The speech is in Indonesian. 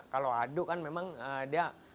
kalau adu kan memang dia